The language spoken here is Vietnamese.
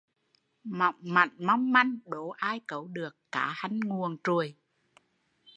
Mỏng mảnh mong manh, đố ai câu được cá hanh nguồn Truồi